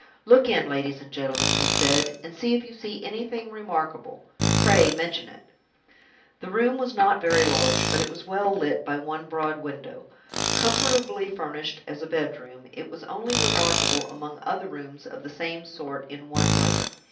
"Look in, ladies and gentlemen," he said; "and, if you see anything remarkable, pray mention it." The room was not very large, but it was well lit by one broad window. Comfortably furnished as a bedroom, it was only remarkable among other rooms of the same sort in one way.